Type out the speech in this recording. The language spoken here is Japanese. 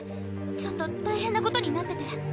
ちょっと大変なことになってて。